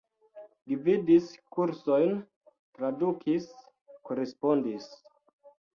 Gvidis kursojn, tradukis, korespondis.